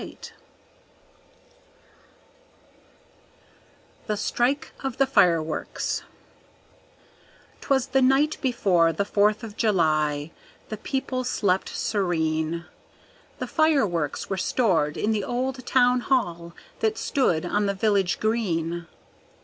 The Strike of the Fireworks 'Twas the night before the Fourth of July, the people slept serene; The fireworks were stored in the old town hall that stood on the village green.